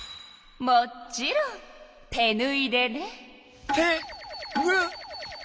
もちろん手ぬいでね。